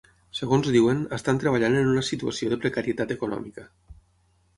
Segons diuen ‘estan treballant en una situació de precarietat econòmica’.